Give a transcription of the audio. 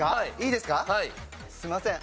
すいません。